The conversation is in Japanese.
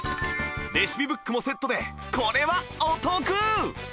レシピブックもセットでこれはお得！